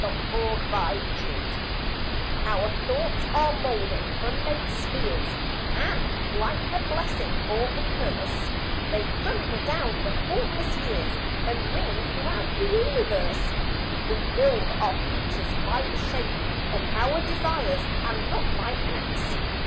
=The Creed To Be= Our thoughts are molding unmade spheres, And, like a blessing or a curse, They thunder down the formless years, And ring throughout the universe. We build our futures, by the shape Of our desires, and not by acts.